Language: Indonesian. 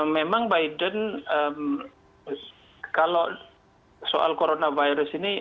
memang biden kalau soal coronavirus ini